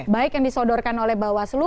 baik yang disodorkan oleh bawaslu